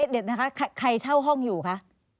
เดี๋ยวนะคะใครเช่าห้องอยู่คะ